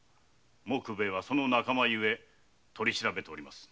杢兵衛はその仲間ゆえ取り調べております。